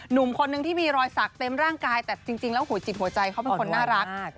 หนุ่มคนนึงที่มีรอยสักเต็มร่างกายแต่จริงแล้วหัวจิตหัวใจเขาเป็นคนน่ารัก